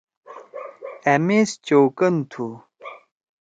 أ میز چؤکن تُھو۔